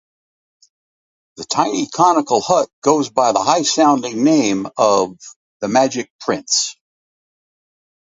The tiny conical hut goes by the high-sounding name of the Magic Prince.